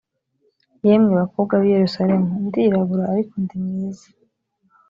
yemwe bakobwa b i yerusalemu ndirabura ariko ndi mwizi